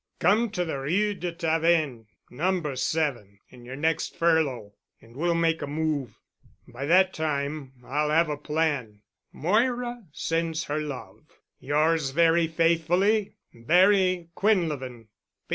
Come to the Rue de Tavennes, No. 7, in your next furlough, and we'll make a move. By that time I'll have a plan. Moira sends her love. "Yours very faithfully, "BARRY QUINLEVIN.